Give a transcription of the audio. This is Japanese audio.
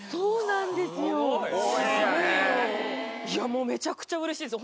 もうめちゃくちゃうれしいです！